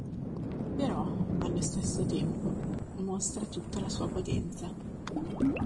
Però, allo stesso tempo, mostra tutta la sua potenza.